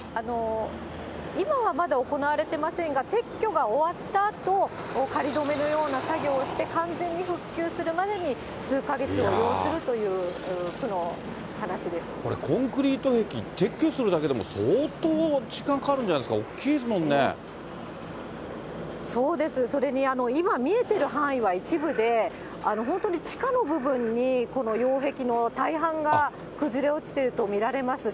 今はまだ、行われてませんが、撤去が終わったあと、仮留めのような作業をして、完全に復旧するまでに数か月を要するという、これ、コンクリート壁、撤去するだけでも相当時間かかるんじゃないですか、大きいですもそうです、それに今、見えてる範囲は一部で、本当に地下の部分に、この擁壁の大半が崩れ落ちていると見られますし。